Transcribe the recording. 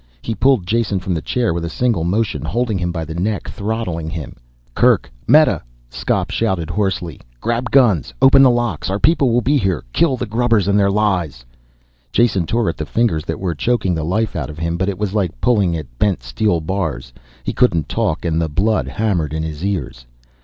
He pulled Jason from the chair with a single motion, holding him by the neck, throttling him. "Kerk! Meta!" Skop shouted hoarsely. "Grab guns! Open the locks our people'll be here, kill the grubbers and their lies!" Jason tore at the fingers that were choking the life out of him, but it was like pulling at bent steel bars. He couldn't talk and the blood hammered in his ears.